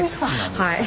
はい。